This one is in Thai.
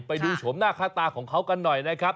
ไปดูโฉมหน้าค่าตาของเขากันหน่อยนะครับ